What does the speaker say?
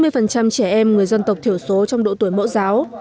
chín mươi trẻ em người dân tộc thiểu số trong độ tuổi mẫu giáo